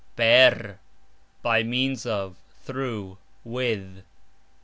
per : by means of, through, with.